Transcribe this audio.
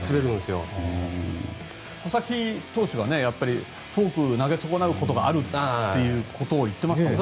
佐々木投手はフォークを投げ損なうことがあると言ってましたもんね。